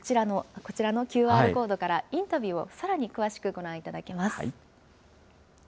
こちらのＱＲコードからインタビューをさらに詳しくご覧いただけます。